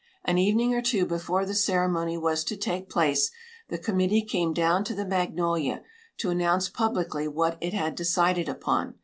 An evening or two before the ceremony was to take place the committee came down to the Magnolia, to announce publicly what it had decided upon.